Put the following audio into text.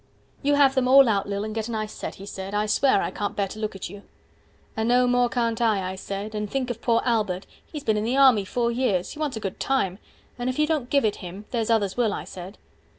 You have them all out, Lil, and get a nice set, 145 He said, I swear, I can't bear to look at you. And no more can't I, I said, and think of poor Albert, He's been in the army four years, he wants a good time, And if you don't give it him, there's others will, I said.